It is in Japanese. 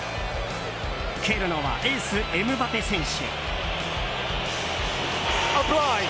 蹴るのはエース、エムバペ選手。